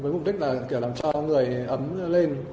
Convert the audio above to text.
với mục đích là kiểu làm cho người ấm lên